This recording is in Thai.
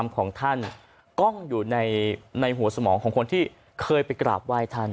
คำสอนของท่านคติธรรมของท่านก้องอยู่ในหัวสมองของคนที่เคยไปกราบไว้ท่าน